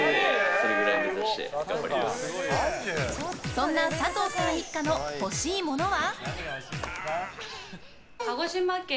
そんな佐藤さん一家の欲しいものは？